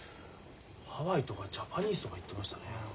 ハワイとかジャパニーズとか言ってましたね。